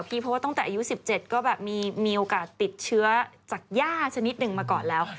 เพราะว่าตั้งแต่อายุ๑๗ก็แบบมีโอกาสติดเชื้อจากย่าชนิดหนึ่งมาก่อนแล้ว